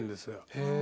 へえ。